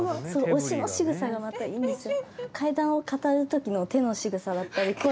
推しのしぐさがまたいいんですよ。